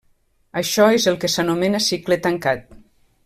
Això és el que s'anomena cicle tancat.